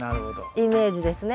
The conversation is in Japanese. イメージですね。